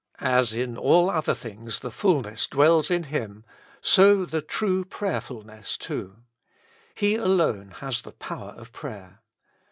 As in all other things the fulness dwells in Him, so the true prayer fulness too ; He alone has the power of prayer.